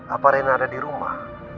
apa rena ada di rumah